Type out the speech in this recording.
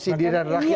sindiran rakyat itu ya